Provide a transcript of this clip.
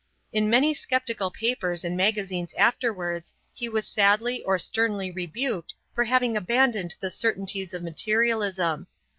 In many sceptical papers and magazines afterwards he was sadly or sternly rebuked for having abandoned the certainties of materialism.